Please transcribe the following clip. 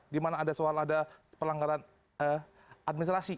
di mana ada soal ada pelanggaran administrasi